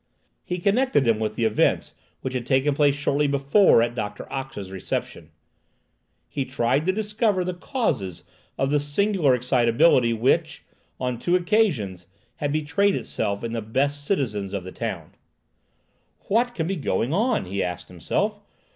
He connected them with the events which had taken place shortly before at Doctor Ox's reception. He tried to discover the causes of the singular excitability which, on two occasions, had betrayed itself in the best citizens of the town. "What can be going on?" he asked himself.